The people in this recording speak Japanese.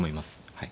はい。